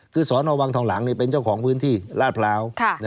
คือสอนอวังทองหลังเป็นเจ้าของพื้นที่ลาดพร้าว